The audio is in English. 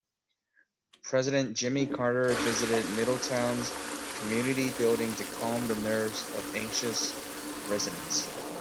President Jimmy Carter visited Middletown's Community Building to calm the nerves of anxious residents.